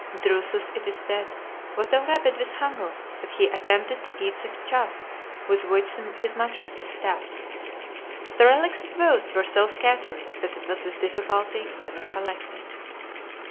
Drusus, it is said, was so rabid with hunger, that he attempted to eat the chaff with which his mattress was stuffed. The relics of both were so scattered, that it was with difficulty they were collected.